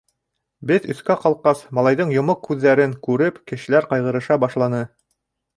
Беҙ өҫкә ҡалҡҡас, малайҙың йомоҡ күҙҙәрен күреп, кешеләр ҡайғырыша башланы.